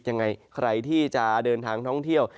ยังไงใครที่จะเดินทางท่องเที่ยว